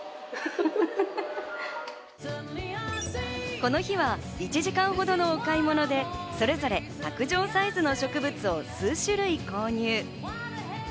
この日は１時間ほどのお買い物でそれぞれ卓上サイズの植物を数種類購入。